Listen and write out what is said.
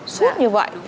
suốt như vậy